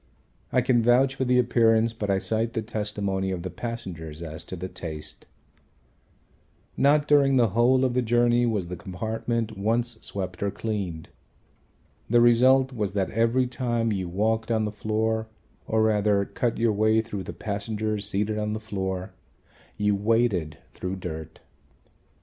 I can vouch for the appearance, but I cite the testimony of the passengers as to the taste. Not during the whole of the journey was the compartment once swept or cleaned. The result was that every time you walked on the floor or rather cut your way through the passengers seated on the floor, you waded through dirt.